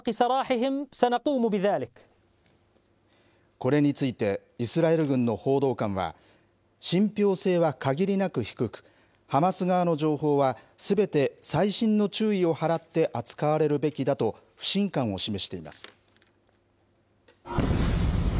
これについて、イスラエル軍の報道官は、信ぴょう性は限りなく低く、ハマス側の情報はすべて細心の注意を払って扱われるべきだと、不信感を示しています。